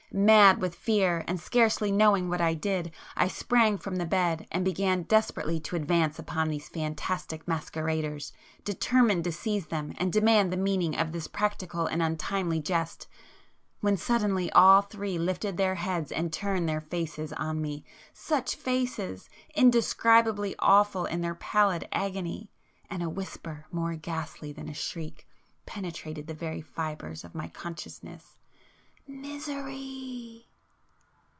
Mad with fear, and scarcely knowing what I did, I sprang from the bed, and began desperately to advance upon these fantastic masqueraders, determined to seize them and demand the meaning of this practical and untimely jest,—when suddenly all Three lifted their heads and turned their faces on me,—such faces!—indescribably awful in their pallid agony,—and a whisper more ghastly than a shriek, penetrated the very fibres of my consciousness—"Misery!"